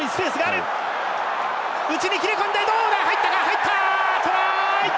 入った！トライ！